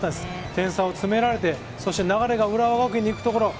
点差を詰められて、流れが浦和学院にいくところ。